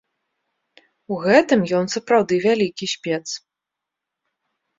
У гэтым ён сапраўды вялікі спец.